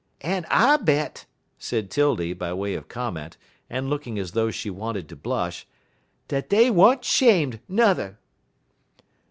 "En I bet," said 'Tildy, by way of comment, and looking as though she wanted to blush, "dat dey wa'n't 'shame', nuther."